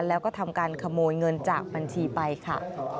แล้วก็ทำการขโมยเงินจากบัญชีไปค่ะ